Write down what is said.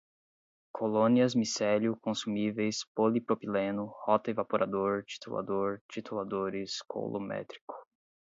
colônias, micélio, consumíveis, polipropileno, rotaevaporador, titulador, tituladores, coulométrico